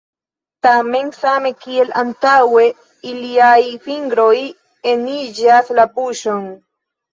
Tamen, same kiel antaŭe, iliaj fingroj eniĝas la buŝon.